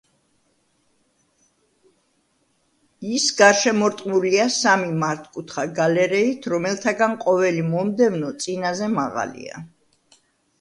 ის გარშემორტყმულია სამი მართკუთხა გალერეით, რომელთაგან ყოველი მომდევნო წინაზე მაღალია.